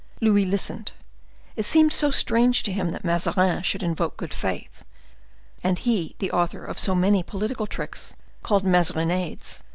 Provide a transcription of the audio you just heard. Louis listened; it seemed so strange to him that Mazarin should invoke good faith, and he the author of so many political tricks, called Mazarinades.